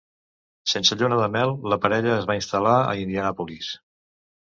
Sense lluna de mel, la parella es va instal·lar a Indianapolis.